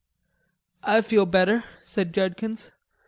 "I feel better," said Judkins.